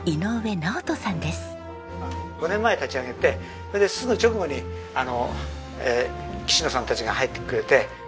５年前に立ち上げてそれですぐ直後に岸野さんたちが入ってくれて。